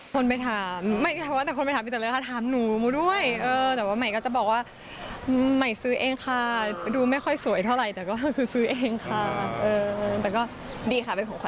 ฝากด้วยนะคะไม่ถามแต่หนูแค่แบบพูดลอยพี่ก็จะเงียบอะค่ะ